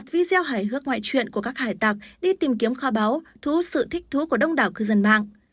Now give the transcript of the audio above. sợ tớt video hài hước ngoại truyện của các hải tạc đi tìm kiếm kho báo thú sự thích thú của đông đảo cư dân mạng